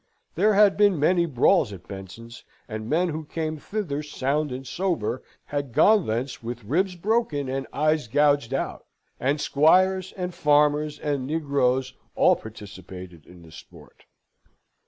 There had been many brawls at Benson's, and men who came thither sound and sober, had gone thence with ribs broken and eyes gouged out. And squires, and farmers, and negroes, all participated in the sport.